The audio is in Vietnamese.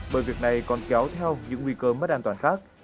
bởi việc này còn kéo theo những nguy cơ mất an toàn khác